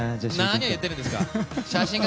何を言ってるんですか。